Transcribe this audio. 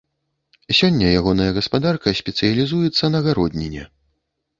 Сёння ягоная гаспадарка спецыялізуецца на гародніне.